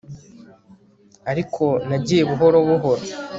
Ariko nagiye buhoro buhoro